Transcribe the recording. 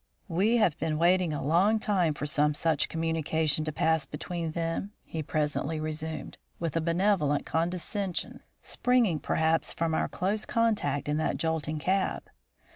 "We have been waiting a long time for some such communication to pass between them," he presently resumed, with a benevolent condescension, springing, perhaps, from our close contact in that jolting cab.